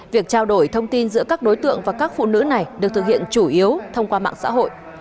việc trao đổi thông tin giữa các đối tượng và các phụ nữ này được thực hiện chủ yếu thông qua mạng xã hội